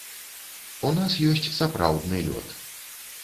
У нас ёсць сапраўдны лёд.